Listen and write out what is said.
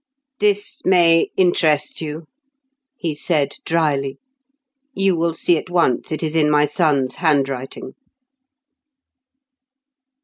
"This may interest you," he said dryly. "You will see at once it is in my son's handwriting."